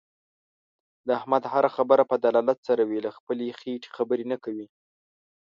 د احمد هر خبره په دلالت سره وي. له خپلې خېټې خبرې نه کوي.